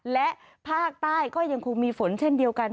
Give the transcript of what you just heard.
และภาคใต้ก็ยังคงมีฝนเช่นเดียวกัน